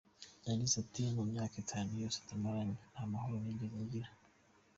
Yagize ati “Mu myaka itanu yose tumaranye, nta mahoro nigeze ngira.